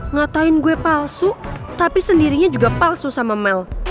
ngatain gue palsu tapi sendirinya juga palsu sama mel